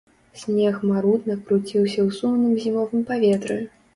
Снег марудна круціўся ў сумным зімовым паветры.